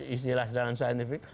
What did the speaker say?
istilah sedang scientific